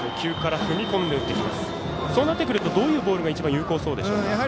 そうなってくるとどんなボールが有効そうでしょうか？